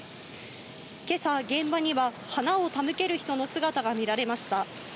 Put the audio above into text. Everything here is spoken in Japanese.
今朝、現場には花を手向ける人の姿が見られました。